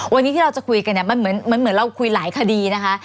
วันนี้ที่เราจะคุยกันเนี่ยมันเหมือนเราคุยหลายคดีนะคะ